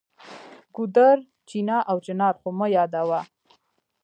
ګودر، چینه او چنار خو مه یادوه.